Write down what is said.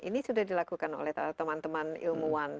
ini sudah dilakukan oleh teman teman ilmuwan